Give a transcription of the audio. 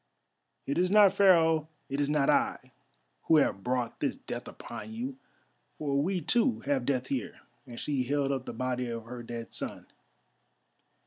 It is not Pharaoh, it is not I, who have brought this death upon you. For we too have death here!" and she held up the body of her dead son.